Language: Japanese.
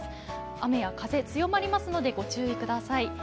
雨や風、強まりますのでご注意ください。